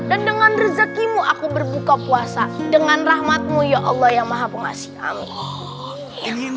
dan dengan rezakimu aku berbuka kuasa dengan rahmatmu ya allah yang maha pengasih amin